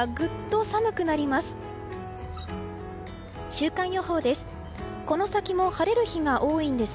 週間予報です。